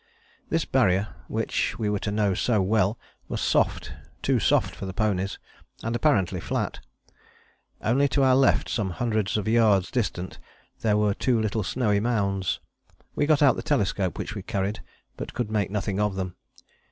This Barrier, which we were to know so well, was soft, too soft for the ponies, and apparently flat. Only to our left, some hundreds of yards distant, there were two little snowy mounds. We got out the telescope which we carried, but could make nothing of them.